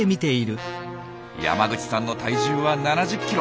山口さんの体重は７０ｋｇ。